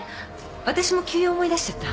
私も急用思い出しちゃった。